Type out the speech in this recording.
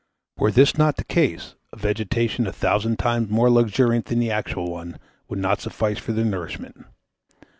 Were this not the case, a vegetation a thousand times more luxuriant than the actual one would not suffice for their nourishment.